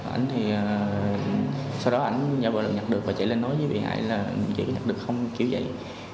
anh thì sau đó anh giả vờ được nhặt được và chạy lên nói với bị hại là chỉ nhặt được không kiểu vậy